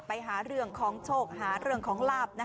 ไปหาเรื่องของโชคหาเรื่องของลาบ